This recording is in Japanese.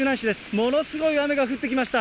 ものすごい雨が降ってきました。